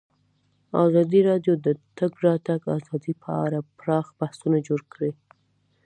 ازادي راډیو د د تګ راتګ ازادي په اړه پراخ بحثونه جوړ کړي.